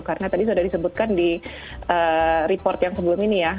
karena tadi sudah disebutkan di report yang sebelum ini ya